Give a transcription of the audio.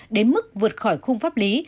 đến mức vượt khỏi khung pháp lý